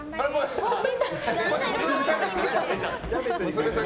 娘さん